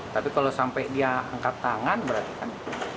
tapi kalau sampai dia angkat tangan berarti kan